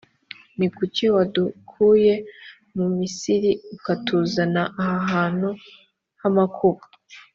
ni kuki wadukuye mu misiri ukatuzana aha hantu h’amakuba.